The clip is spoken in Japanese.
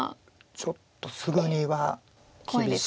ちょっとすぐには厳しい。